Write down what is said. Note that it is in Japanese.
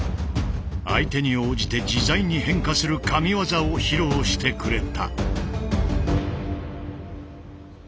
相手に応じて自在に変化するＫＡＭＩＷＡＺＡを披露してくれた。